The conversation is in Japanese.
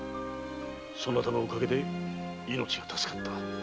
そなたのおかげで命が助かった。